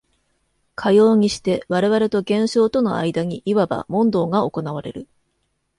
かようにして我々と現象との間にいわば問答が行われる。